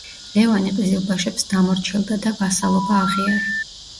ლევანი ყიზილბაშებს დამორჩილდა და ვასალობა აღიარა.